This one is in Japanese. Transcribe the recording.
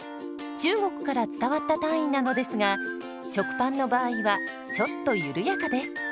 中国から伝わった単位なのですが食パンの場合はちょっと緩やかです。